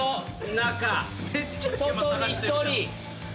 外に１人。